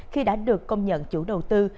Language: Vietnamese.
khi đã được công nhận chủ đầu tư